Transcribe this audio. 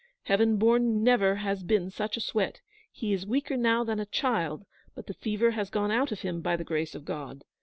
Heaven born, never has been such a sweat! He is weaker now than a child; but the fever has gone out of him, by the grace of God.